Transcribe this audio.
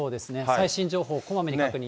最新情報、こまめに確認を。